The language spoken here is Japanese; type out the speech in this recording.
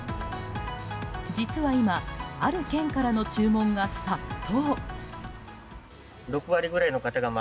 実は今ある県からの注文が殺到。